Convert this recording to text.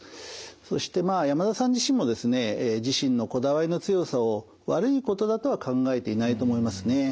そしてまあ山田さん自身もですね自身のこだわりの強さを悪いことだとは考えていないと思いますね。